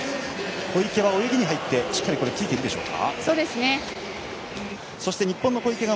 小池は泳ぎに入ってしっかりついているでしょうか。